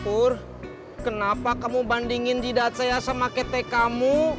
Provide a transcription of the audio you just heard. tur kenapa kamu bandingin didat saya sama ketek kamu